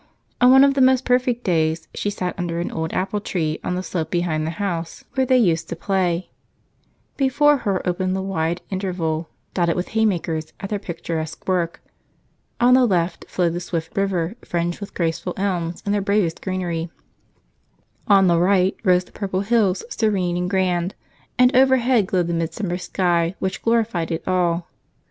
On one of the most perfect days she sat under an old apple tree on the slope behind the house where they used to play. Before her opened the wide intervale, dotted with haymakers at their picturesque work. On the left flowed the swift river fringed with graceful elms in their bravest greenery; on the right rose the purple hills serene and grand; and overhead glowed the midsummer sky, which glorified it all.